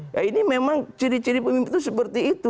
ya ini memang ciri ciri pemimpin itu seperti itu